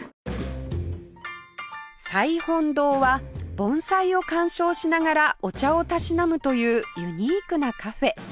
彩本堂は盆栽を観賞しながらお茶をたしなむというユニークなカフェ